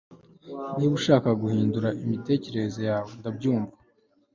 Niba ushaka guhindura imitekerereze yawe ndabyumva